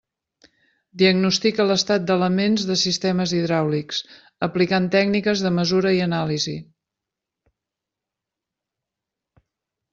Diagnostica l'estat d'elements de sistemes hidràulics, aplicant tècniques de mesura i anàlisi.